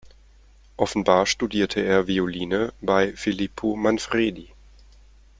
Offenbar studierte er Violine bei Filippo Manfredi.